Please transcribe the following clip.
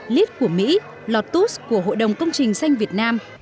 lit của mỹ lòtus của hội đồng công trình xanh việt nam